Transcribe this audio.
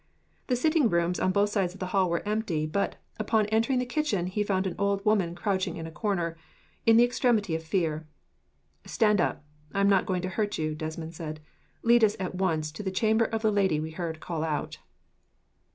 The sitting rooms on both sides of the hall were empty, but, upon entering the kitchen, he found an old woman crouching in a corner, in the extremity of fear. "Stand up. I am not going to hurt you," Desmond said. "Lead us, at once, to the chamber of the lady we heard call out."